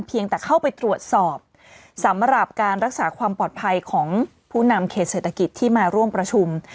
เพียงแต่เข้าไปตรวจสอบสำหรับการรักษาความปลอดภัยของผู้นำเขตเศรษฐกิจที่มาร่วมประชุม